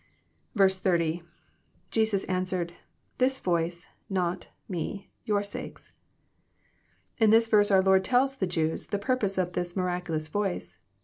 80. — [Jesus answered,.. This voice... not... me... your sakes."] In this verse our Lord tells the Jews the purpose of this miraculous voice.